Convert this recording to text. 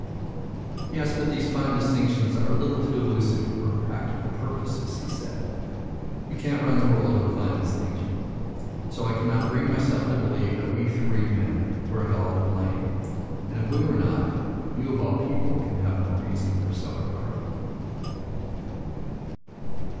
"Yes, but these fine distinctions are a little too elusive for practical purposes," he said. "You can't run the world on fine distinctions; so I cannot bring myself to believe that we three men were at all to blame, and if we were not, you of all people can have no reason for self reproach."